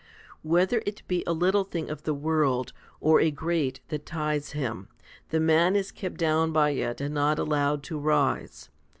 Whether it be a little thing of the world or a great that ties him, the man is kept down by it, and not allowed to rise.